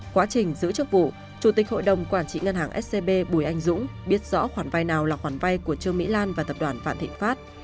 quá trình giữ chức vụ chủ tịch hội đồng quản trị ngân hàng scb bùi anh dũng biết rõ khoản vai nào là khoản vay của trương mỹ lan và tập đoàn vạn thịnh pháp